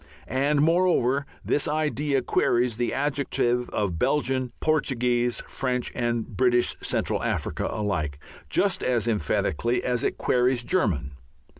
And, moreover, this idea queries the adjective of Belgian, Portuguese, French, and British Central Africa alike, just as emphatically as it queries "German."